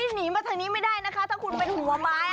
หนีมาทางนี้ไม่ได้นะคะถ้าคุณเป็นหัวไม้